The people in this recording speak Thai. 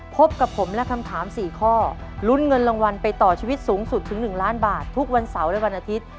พบกับผมและคำถาม๔ข้อลุ้นเงินรางวัลไปต่อชีวิตสูงสุดถึง๑ล้านบาททุกวันเสาร์และวันอาทิตย์